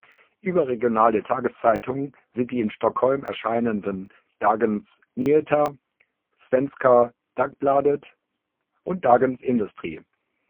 Überregionale Tageszeitungen sind die in Stockholm erscheinenden Dagens Nyheter, Svenska Dagbladet und Dagens Industri.